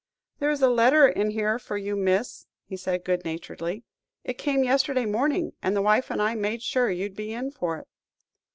"There is a letter in here for you, miss," he said good naturedly; "it came yesterday morning, and the wife and I made sure you'd be in for it."